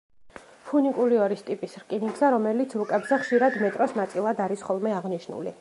ფუნიკულიორის ტიპის რკინიგზა, რომელიც რუკებზე ხშირად მეტროს ნაწილად არის ხოლმე აღნიშნული.